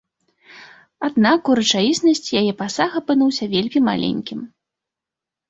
Аднак у рэчаіснасці яе пасаг апынуўся вельмі маленькім.